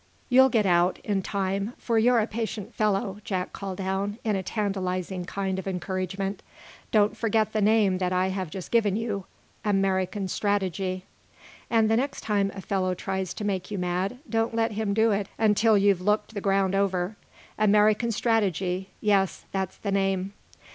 "You'll get out, in time, for you're a patient fellow," Jack called down, in a tantalizing kind of encouragement. "Don't forget the name that I have just given you American strategy. And, the next time a fellow tries to make you mad, don't let him do it until you've looked the ground over. American strategy yes, that's the name."